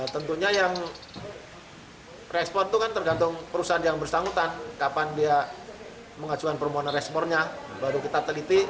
tentunya yang respon itu kan tergantung perusahaan yang bersangkutan kapan dia mengajukan permohonan responnya baru kita teliti